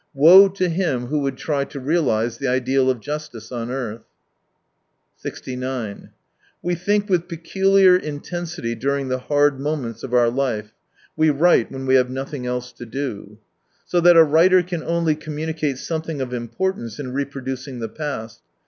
Woe to him who would try to realise the ideal of justice on earth. We think with peculiar intensity during the hard moments of our life — we write when we have nothing else to do. So that a writer can only communicate something of import ance in reproducing the past.